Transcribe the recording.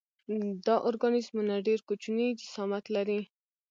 دا ارګانیزمونه ډېر کوچنی جسامت لري.